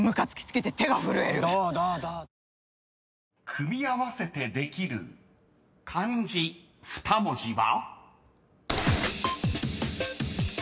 ［組み合わせてできる漢字２文字は？］